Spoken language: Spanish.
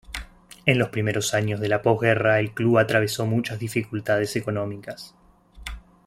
En los primeros años de la postguerra el club atravesó muchas dificultades económicas.